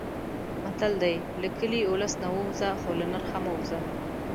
متل دی: له کلي، اولس نه ووځه خو له نرخه مه وځه.